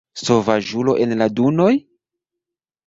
Sovaĝulo en la dunoj!?